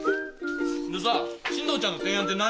でさ進藤ちゃんの提案って何よ。